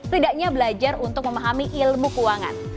tidaknya belajar untuk memahami ilmu keuangan